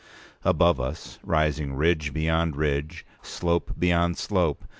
Above us, rising ridge beyond ridge, slope beyond slope, p.